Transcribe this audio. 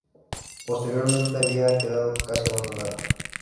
Posteriormente, había quedado casi abandonada.